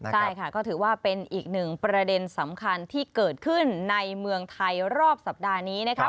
ใช่ค่ะก็ถือว่าเป็นอีกหนึ่งประเด็นสำคัญที่เกิดขึ้นในเมืองไทยรอบสัปดาห์นี้นะครับ